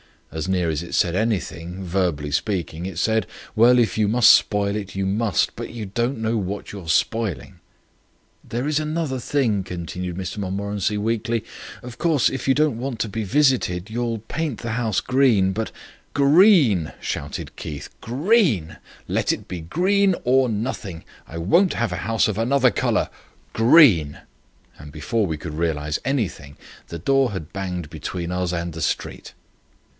As near as it said anything, verbally speaking, it said: "Well, if you must spoil it, you must. But you don't know what you're spoiling." "There is another thing," continued Mr Montmorency weakly. "Of course, if you don't want to be visited you'll paint the house green, but " "Green!" shouted Keith. "Green! Let it be green or nothing. I won't have a house of another colour. Green!" and before we could realize anything the door had banged between us and the street.